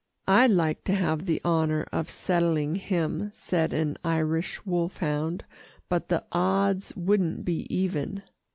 "I'd like to have the honour of settling him," said an Irish wolfhound, "but the odds wouldn't be even."